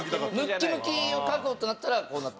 ムッキムキを描こうとなったらこうなった。